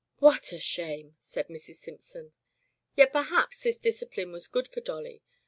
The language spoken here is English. "What a shame!'* said Mrs. Simpson. Yet perhaps this discipline was good for Dolly.